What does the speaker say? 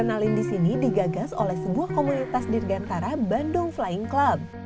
kenalin di sini digagas oleh sebuah komunitas dirgantara bandung flying club